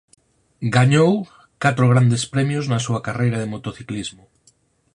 Gañou catro Grandes Premios na súa carreira de motociclismo.